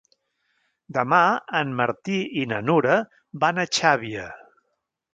Demà en Martí i na Nura van a Xàbia.